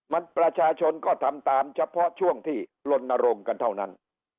มันประชาชนก็ทำตามเฉพาะช่วงที่ลนรงค์กันเท่านั้น